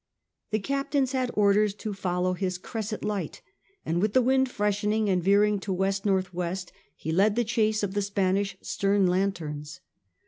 The captains had orders to follow his cresset light, and with the wind freshening and veering to west north west he led the chase of the Spanish stem lanterns.